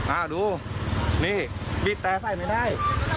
อ่าดูนี่บีบแต่ใส่ไม่ได้